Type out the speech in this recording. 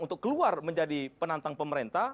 untuk keluar menjadi penantang pemerintah